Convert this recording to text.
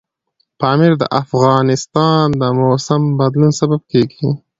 پامیر د افغانستان د موسم د بدلون سبب کېږي.